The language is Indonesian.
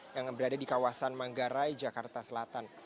yang berada di kawasan manggarai jakarta selatan